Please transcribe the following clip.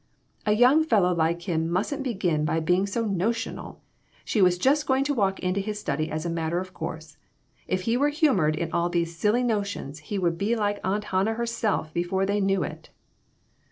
' A young fellow like him mustn't begin by being so notional ; she was just going to walk into his study as a matter of course. If he were humored in all these silly notions he would be like Aunt Hannah herself before they knew it."